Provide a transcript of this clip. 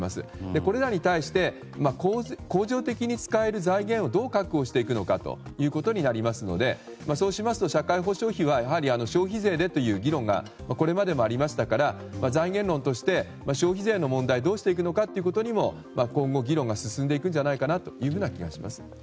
これらに対して恒常的に使える財源を、どう確保していくかになりますのでそうしますと社会保障費は消費税でという議論がこれまでもありましたから財源論として消費税の問題どうしていくのかにも今後議論が進んでいくと思います。